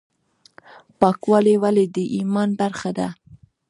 پاکوالی ولې د ایمان برخه ده؟